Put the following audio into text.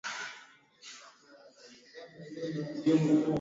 polisi kwa kukipendelea chama tawala cha Zanu